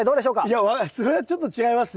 いやそれはちょっと違いますね。